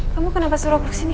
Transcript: kamu kenapa suruh kesini